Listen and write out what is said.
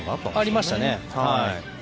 ありましたね。